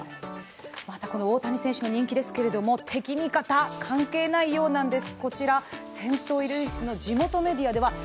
大谷選手の人気ですけれども、敵味方、関係ないようなんです。